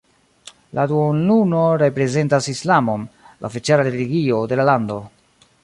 La duonluno reprezentas Islamon, la oficiala religio de la lando.